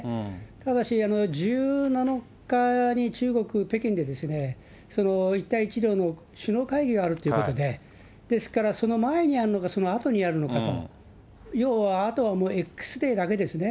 ただし、１７日に中国・北京で、一帯一路の首脳会議があるということで、ですからその前にやるのか、そのあとにやるのかと、要は、あとはもうＸデーだけですね。